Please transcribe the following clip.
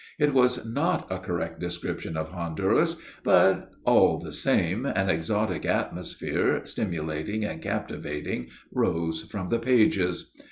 It was not a correct description of Honduras, but, all the same, an exotic atmosphere stimulating and captivating rose from the pages.